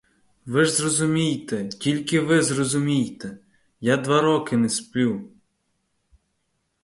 Ви ж зрозумійте тільки, ви зрозумійте: я два роки не сплю.